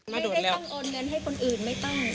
ไม่ต้องโอนเงินให้คนอื่นไม่ต้อง